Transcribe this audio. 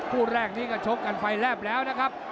คู่แรกนี้ก็ชกกันไฟแลบแล้วนะครับ